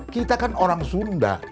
kita kan orang sunda